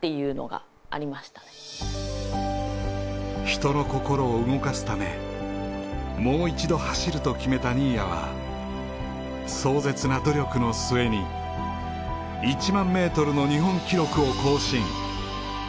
人の心を動かすためもう一度走ると決めた新谷は壮絶な努力の末に１００００ｍの日本記録を更新